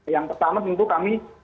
yang pertama tentu kami